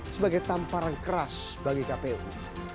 sebagai tamparan keras bagi kpu